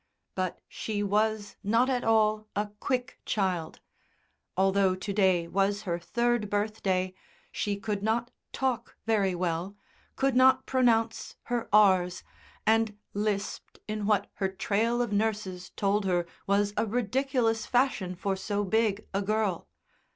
But she was not at all a quick child; although to day was her third birthday she could not talk very well, could not pronounce her r's, and lisped in what her trail of nurses told her was a ridiculous fashion for so big a girl.